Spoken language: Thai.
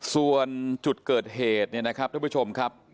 ส่วนจุดเกิดเหตุเนี่ยนะครับท่านผู้ชมครับ